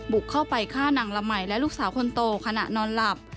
บุกเข้าไปฆ่านางละมัยและลูกสาวคนโตขณะนอนหลับ